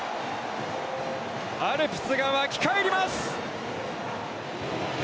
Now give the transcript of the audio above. アルプスが沸き返ります！